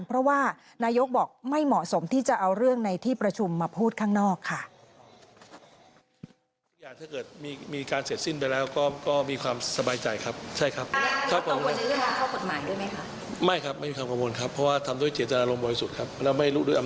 เพราะว่านายกบอกไม่เหมาะสมที่จะเอาเรื่องในที่ประชุมมาพูดข้างนอกค่ะ